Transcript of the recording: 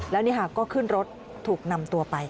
แล้วนี่ค่ะก็ขึ้นรถถูกนำตัวไป